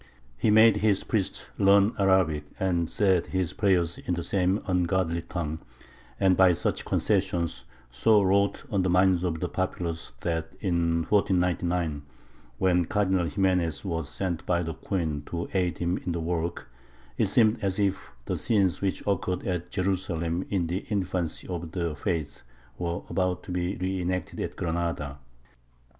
He made his priests learn Arabic, and said his prayers in the same ungodly tongue, and by such concessions "so wrought on the minds of the populace that in 1499, when Cardinal Ximenes was sent by the queen to aid him in the work, it seemed as if the scenes which occurred at Jerusalem in the infancy of the Faith were about to be reenacted at Granada.